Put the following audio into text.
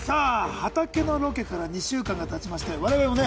畑のロケから２週間がたちまして我々もね